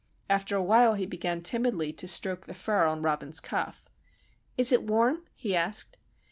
After a while he began timidly to stroke the fur on Robin's cuff. "Is it warm?" he asked.